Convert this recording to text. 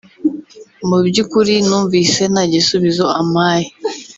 “Mu by’ukuri numvise nta gisubizo ampaye